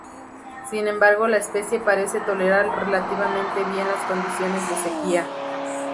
Sin embargo la especie parece tolerar relativamente bien las condiciones de sequía.